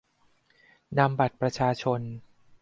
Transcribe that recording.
- นำบัตรประชาชน